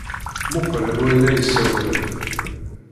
Mmuqqel anwa ay la yessawalen.